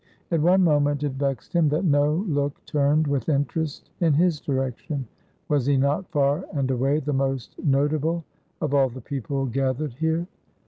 At one moment it vexed him that no look turned with interest in his direction; was he not far and away the most notable of all the people gathered here?